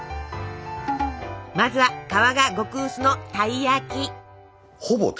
まずは皮が極薄のたい焼き。